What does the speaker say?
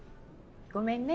ごめんね